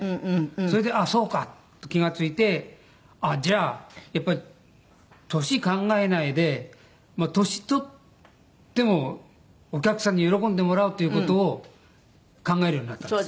それでああそうか！と気が付いてじゃあやっぱり年考えないで年取ってもお客さんに喜んでもらうっていう事を考えるようになったんです。